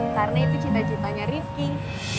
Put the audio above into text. karena itu cita citanya riff king